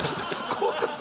怖かった？